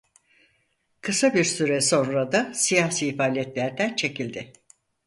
Kısa bir süre sonra da siyasi faaliyetlerden çekildi.